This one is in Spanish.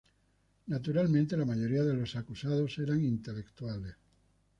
Naturalmente, la mayoría de los acusados eran intelectuales.